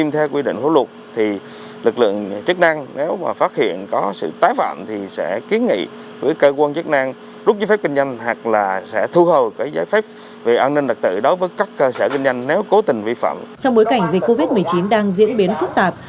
trong bối cảnh dịch covid một mươi chín đang diễn biến phức tạp